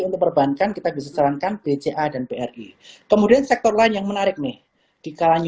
untuk perbankan kita bisa jalankan bca dan bri kemudian sektor lain yang menarik nih di kalangan